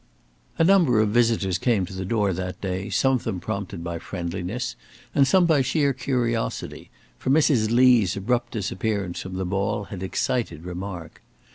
A number of visitors came to the door that day, some of them prompted by friendliness and some by sheer curiosity, for Mrs. Lee's abrupt disappearance from the ball had excited remark.